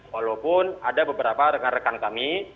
walaupun ada beberapa rekan rekan kami